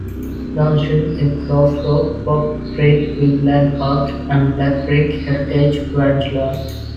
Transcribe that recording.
Downstream it flows through "Bob Creek Wildland Park" and "Black Creek Heritage Rangeland".